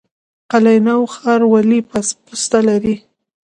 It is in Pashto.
قلعه نو ښار ولې پسته لري؟